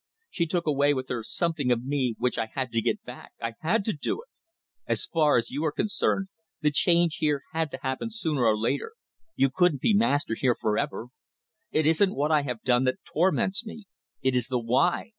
She took away with her something of me which I had to get back. I had to do it. As far as you are concerned, the change here had to happen sooner or later; you couldn't be master here for ever. It isn't what I have done that torments me. It is the why.